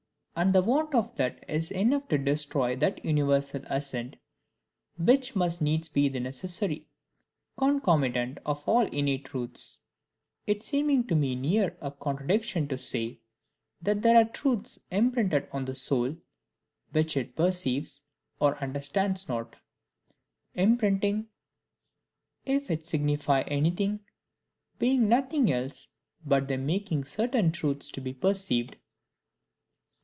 And the want of that is enough to destroy that universal assent which must needs be the necessary concomitant of all innate truths: it seeming to me near a contradiction to say, that there are truths imprinted on the soul, which it perceives or understands not: imprinting, if it signify anything, being nothing else but the making certain truths to be perceived.